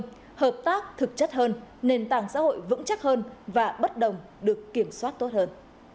thưa quý vị hợp tác thực chất hơn nền tảng xã hội vững chắc hơn và bất đồng được kiểm soát tốt hơn